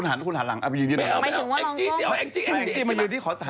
ไม่คุณหันหลังเอาไปยืนดี่น่ะ